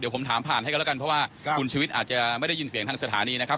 ผมถามผ่านให้กันแล้วกันเพราะว่าคุณชุวิตอาจจะไม่ได้ยินเสียงทางสถานีนะครับ